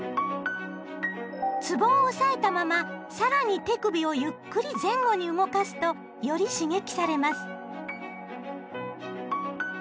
つぼを押さえたまま更に手首をゆっくり前後に動かすとより刺激されます。